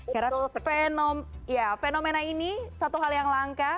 karena fenomena ini satu hal yang langka